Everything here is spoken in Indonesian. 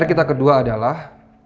dan kita kedua adalah